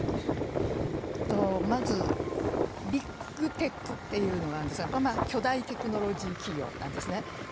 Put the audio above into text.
まずビッグテックというのがあるんですが、巨大テクノロジー企業なんですね。